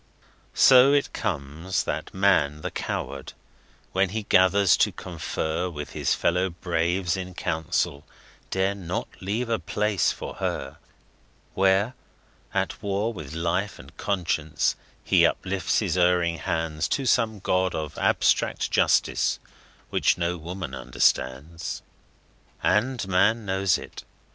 So it comes that Man, the coward, when he gathers to confer With his fellow braves in council, dare not leave a place for her Where, at war with Life and Conscience, he uplifts his erring hands To some God of abstract justice which no woman understands. And Man knows it!